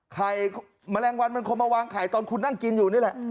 แมลงวันมันคงมาวางไข่ตอนคุณนั่งกินอยู่นี่แหละ